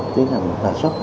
tiến hành bám sát